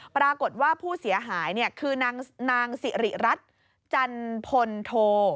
ปรากฏว่าผู้เสียหายคือนางสิริรัตน์จันพลโท